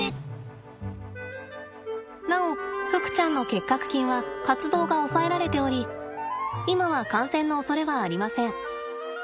なおふくちゃんの結核菌は活動が抑えられており今は感染のおそれはありません。